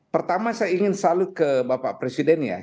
pertama saya ingin selalu ke bapak presiden ya